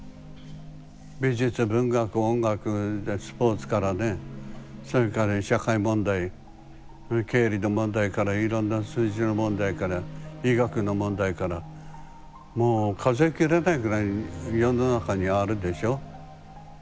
美術・文学・音楽・スポーツからねそれから社会問題経理の問題からいろんな数字の問題から医学の問題からもう数えきれないぐらい世の中にはあるでしょ。